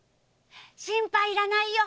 心配いらないよ。